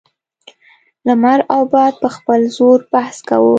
لمر او باد په خپل زور بحث کاوه.